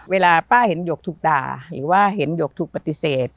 เวลาป้าเห็นหยกถูกด่าหรือว่าเห็นหยกถูกปฏิเสธ